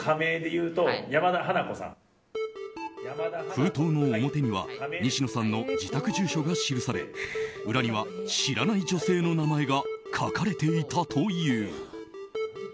封筒の表には西野さんの自宅住所が記され裏には知らない女性の名前が書かれていたという。